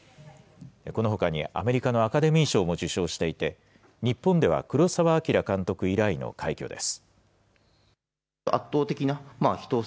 このほかにアメリカのアカデミー賞も受賞していて、日本では黒澤明監督以来の快挙です。